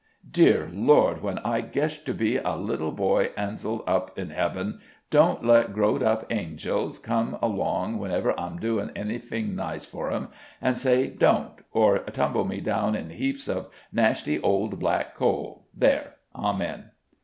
Dear Lord, when I getsh to be a little boy anzel up in hebben, don't let growed up anzels come along whenever I'm doin' anyfing nice for 'em, an' say 'don't,' or tumble me down in heaps of nashty old black coal. There! Amen!"